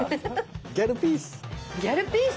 ギャルピース。